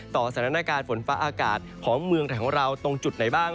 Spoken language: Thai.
สถานการณ์ฝนฟ้าอากาศของเมืองไทยของเราตรงจุดไหนบ้าง